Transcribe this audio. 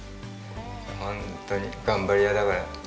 ホントに頑張り屋だから。